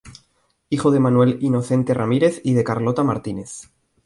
Hijo de Manuel Inocente Ramírez y de Carlota Martínez.